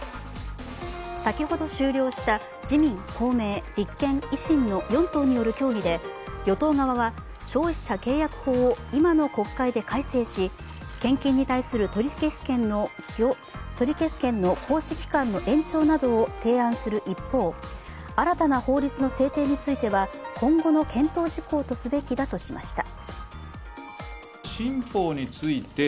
先ほど終了した自民、公明、立憲、維新の４党による協議で与党側は、消費者契約法を今の国会で改正し献金に対する取り消し権の行使期間の延長などを提案する一方新たな法律の制定については今後の検討事項とすべきだとしました。